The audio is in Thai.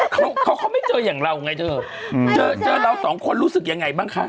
แต่เขาไม่เจออย่างเราไงเจอเราสองคนรู้บ้าง